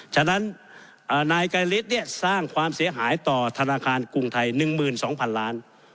ฉะนั้นนายไกรฤทธิ์สร้างความเสียหายต่อธนาคารกรุงไทย๑๒๐๐๐ล้าน